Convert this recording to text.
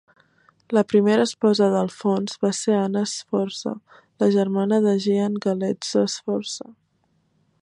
La primera esposa d'Alfonso va ser Anna Sforza, la germana de Gian Galeazzo Sforza.